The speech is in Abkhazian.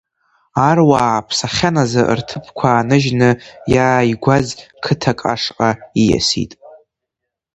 Аруаа ааԥсахьан азы, рҭыԥқәа ааныжьны иааигәаз қыҭак ашҟа ииасит.